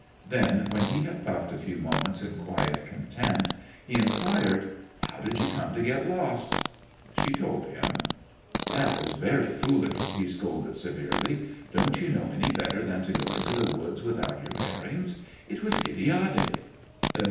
Then, when he had puffed a few moments in quiet content, he inquired: "How did you come to get lost?" She told him. "That was very foolish," he scolded, severely. "Don't you know any better than to go into the woods without your bearings? It was idiotic!"